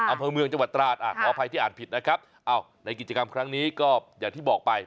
อำเภอเมืองจังหวัดตราดขออภัยที่อ่านผิดนะครับอ้าวในกิจกรรมครั้งนี้ก็อย่างที่บอกไป